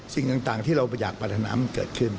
สิ่งต่างที่เราอยากปรารถนามันเกิดขึ้น